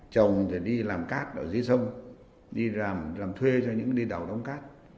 chồng để đi làm cát ở dưới sông đi làm thuê cho những đi đảo đóng cát